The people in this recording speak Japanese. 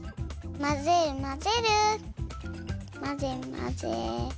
まぜまぜ。